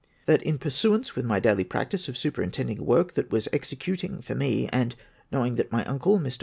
That in pur suance with my daily practice of superintending work that was executing for me, and knowing that my uncle jNlr.